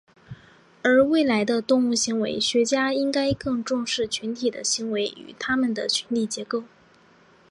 而未来的动物行为学家应该更重视群体的行为与它们的群体结构。